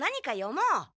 もう。